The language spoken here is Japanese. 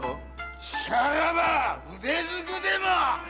しからば腕ずくでも！